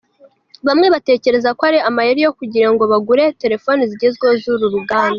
Bamwe batekereje ko ari amayeri yo kugira ngo bagure telefoni zigezweho z’uru ruganda.